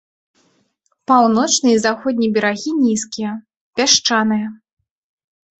Паўночны і заходні берагі нізкія, пясчаныя.